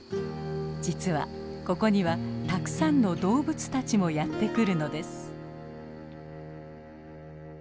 実はここにはたくさんの動物たちもやって来るのです。